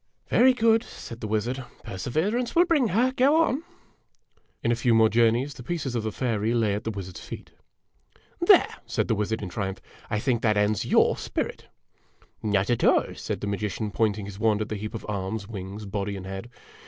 "Very good," said the wizard; "perseverance will bring her. Go on." In a few more journeys the pieces of the fairy lay at the wizard's feet. "There!" said the wizard, in triumph; "I think that ends your spirit !"" Not at all," said the magician, pointing his wand at the heap of arms, wings, body, and head.